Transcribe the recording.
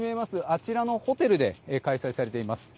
あちらのホテルで開催されています。